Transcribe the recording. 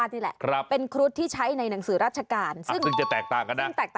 ถูกไหมครับครับ